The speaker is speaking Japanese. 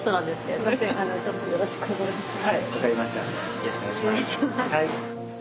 よろしくお願いします。